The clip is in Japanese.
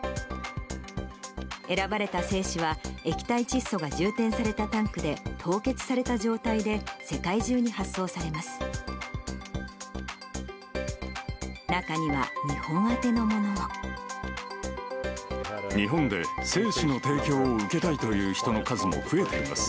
選ばれた精子は、液体窒素が充填されたタンクで、凍結された状態で世界中に発送されます。